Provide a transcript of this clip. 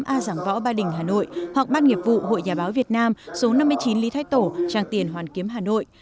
một trăm ba mươi tám a giảng võ ba đình hà nội hoặc ban nghiệp vụ hội nhà báo việt nam số năm mươi chín lý thái tổ trang tiền hoàn kiếm hà nội